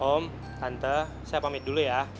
om tante saya pamit dulu ya